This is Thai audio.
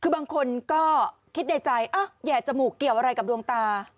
คือบางคนก็คิดในใจแหย่จมูกเกี่ยวอะไรกับดวงตา